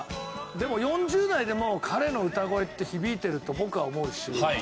でも４０代でも彼の歌声って響いてると僕は思うし。